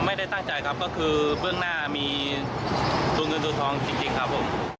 ไม่ได้ตั้งใจครับก็คือเบื้องหน้ามีตัวเงินตัวทองจริงครับผม